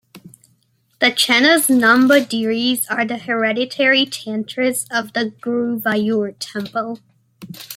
The Chennas Namboodiris are the hereditary Tantris of the Guruvayur temple.